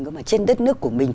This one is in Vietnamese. cứ mà trên đất nước của mình